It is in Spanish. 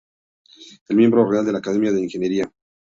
Es miembro de la Real Academia de Ingeniería.